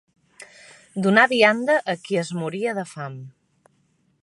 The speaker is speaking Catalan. Donar vianda a qui es moria de fam